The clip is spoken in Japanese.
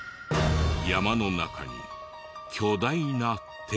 山の中に巨大な手。